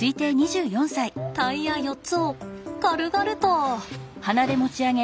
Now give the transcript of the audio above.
タイヤ４つを軽々と。